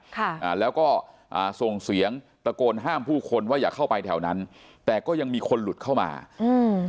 ค่ะอ่าแล้วก็อ่าส่งเสียงตะโกนห้ามผู้คนว่าอย่าเข้าไปแถวนั้นแต่ก็ยังมีคนหลุดเข้ามาอืม